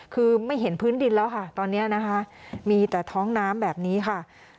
คือไม่เห็นพื้นดินแล้วค่ะตอนนี้นะคะมีแต่ท้องน้ำแบบนี้ค่ะ